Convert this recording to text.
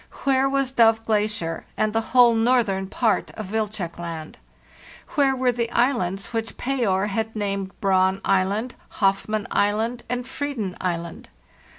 Where was Dove Glacier and the whole northern part of Wilczek Land? Where were the islands which Payer had named Braun Island, Hoff mann Island, and Freeden Island?